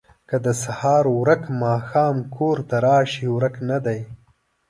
ـ که د سهار ورک ماښام کور ته راشي ورک نه دی